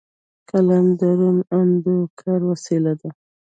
قلم د روڼ اندو کار وسیله ده